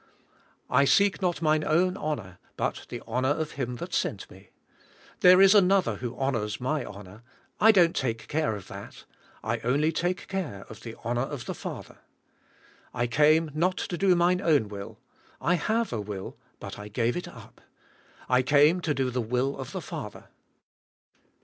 "I seek not mine own honor, but the honor of Him that sent Me. There is another who honors my honor, I don't take care of that. I only take care of the honoi of the Father. I came not to do mine own will, I have a 124 THE SPIRITUAL LIFE. will, but I gave it up. I came to do the will of the Father."